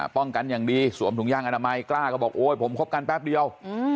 ป้องกันอย่างดีสวมถุงย่างอนามัยกล้าก็บอกผมคบกันแป๊บเดียว